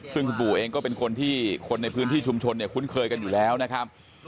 ซึ่งคุณปู่เองก็เป็นคนที่คนในพื้นที่ชุมชนเนี่ยคุ้นเคยกันอยู่แล้วนะครับ